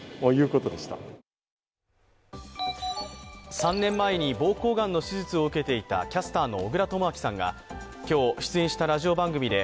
３年前に膀胱がんの手術を受けていたキャスターの小倉智昭さんが今日、出演したラジオ番組で